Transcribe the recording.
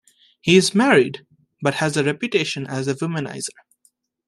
He is married, but has a reputation as a womaniser.